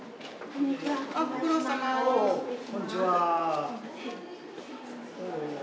こんにちは。